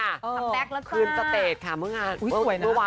ทำแบกแล้วจ้าคืนสเตตค่ะเมื่องานอุ๊ยสวยนะ